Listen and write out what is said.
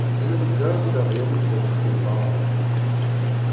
En em gavout a reont gant ur penn-bazh.